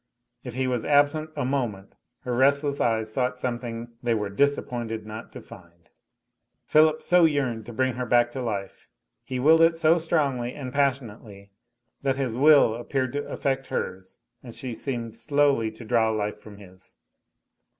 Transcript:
If he was absent a moment her restless eyes sought something they were disappointed not to find. Philip so yearned to bring her back to life, he willed it so strongly and passionately, that his will appeared to affect hers and she seemed slowly to draw life from his.